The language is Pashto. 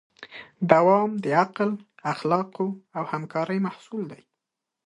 دوام د عقل، اخلاقو او همکارۍ محصول دی.